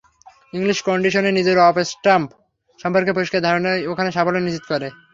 English কন্ডিশনে নিজের off stump সম্পর্কে পরিষ্কার ধারণাই ওখানে সাফল্য নিশ্চিত করে।